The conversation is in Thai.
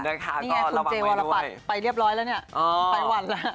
นี่ไงคุณเจวรปัตรไปเรียบร้อยแล้วเนี่ยไปวันแล้ว